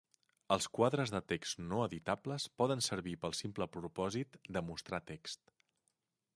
Els quadres de text no editables poden servir pel simple propòsit de mostrar text.